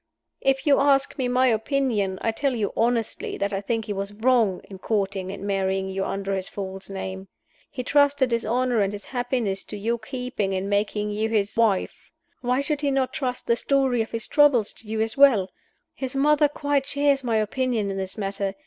If you ask me my opinion, I tell you honestly that I think he was wrong in courting and marrying you under his false name. He trusted his honor and his happiness to your keeping in making you his wife. Why should he not trust the story of his troubles to you as well? His mother quite shares my opinion in this matter.